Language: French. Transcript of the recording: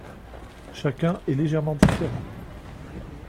Chacun est légèrement différent.